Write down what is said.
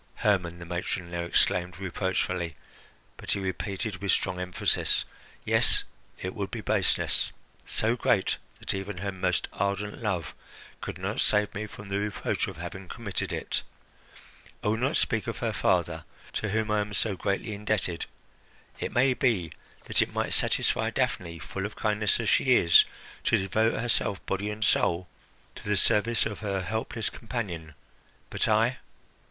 "Hermon!" the matron now exclaimed reproachfully; but he repeated with strong emphasis: "Yes, it would be baseness so great that even her most ardent love could not save me from the reproach of having committed it. I will not speak of her father, to whom I am so greatly indebted. It may be that it might satisfy Daphne, full of kindness as she is, to devote herself, body and soul, to the service of her helpless companion. But I?